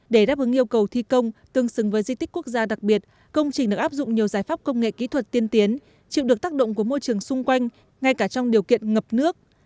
để đáp ứng yêu cầu thi công tương xứng với di tích quốc gia đặc biệt công trình được áp dụng nhiều giải pháp công nghệ kỹ thuật tiên tiến chịu được tác động của môi trường xung quanh ngay cả trong điều kiện ngập nước